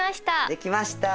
できました！